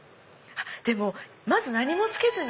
でもまず何もつけずに。